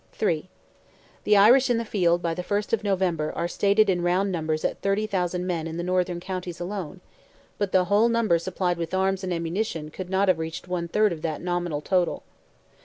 III. The Irish in the field by the first of November are stated in round numbers at 30,000 men in the northern counties alone; but the whole number supplied with arms and ammunition could not have reached one third of that nominal total.